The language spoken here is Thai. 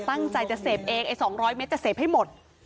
ตั้งใจจะเสพเองไอ้๒๐๐เมตรจะเสพให้หมด